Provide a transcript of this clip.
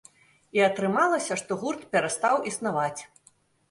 І атрымалася, што гурт перастаў існаваць.